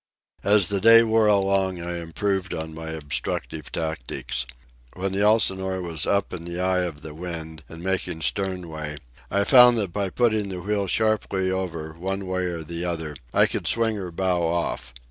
As the day wore along I improved on my obstructive tactics. When the Elsinore was up in the eye of the wind, and making sternway, I found that by putting the wheel sharply over, one way or the other, I could swing her bow off.